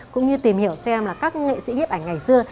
cũng như tìm hiểu xem là các nghệ sĩ nhiếp ảnh ngày xưa